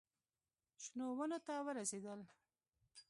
شنو ونو ته ورسېدل.